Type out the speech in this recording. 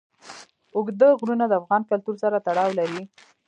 اوږده غرونه د افغان کلتور سره تړاو لري.